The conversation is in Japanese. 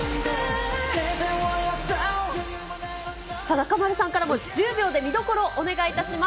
中丸さんからも、１０秒で見どころをお願いいたします。